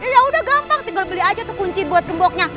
ya udah gampang tinggal beli aja tuh kunci buat gemboknya